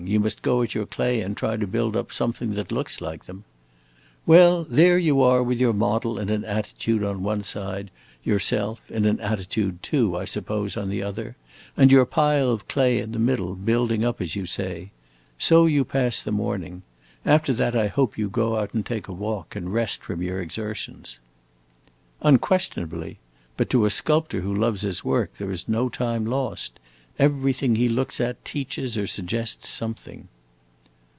You must go at your clay and try to build up something that looks like them." "Well, there you are with your model in an attitude on one side, yourself, in an attitude too, I suppose, on the other, and your pile of clay in the middle, building up, as you say. So you pass the morning. After that I hope you go out and take a walk, and rest from your exertions." "Unquestionably. But to a sculptor who loves his work there is no time lost. Everything he looks at teaches or suggests something."